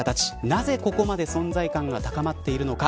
なぜここまで存在感が高まっているのか。